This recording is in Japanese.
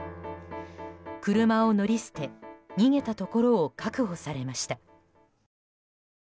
車を乗り捨て逃げたところを確保されました。